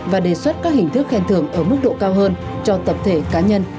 và đề xuất các hình thức khen thưởng ở mức độ cao hơn cho tập thể cá nhân